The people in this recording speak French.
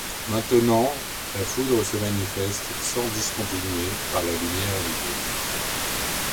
Maintenant la foudre se manifeste, sans discontinuer, par la lumière et le bruit.